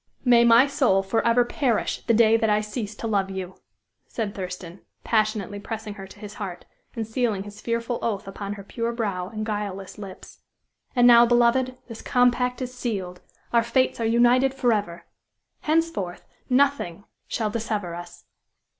"May my soul forever perish the day that I cease to love you!" said Thurston, passionately pressing her to his heart, and sealing his fearful oath upon her pure brow and guileless lips. "And now, beloved! this compact is sealed! Our fates are united forever! Henceforth nothing shall dissever us!"